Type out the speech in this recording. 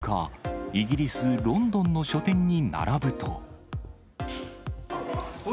１０日、イギリス・ロンドンの書店に並ぶと。